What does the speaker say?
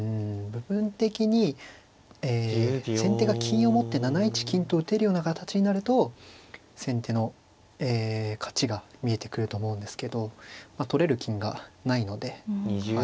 部分的に先手が金を持って７一金と打てるような形になると先手の勝ちが見えてくると思うんですけど取れる金がないので。